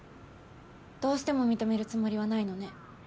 どうしても認めるつもりはないのね。